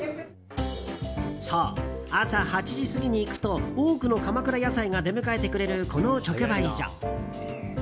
そう、朝８時過ぎに行くと多くの鎌倉野菜が出迎えてくれるこの直売所。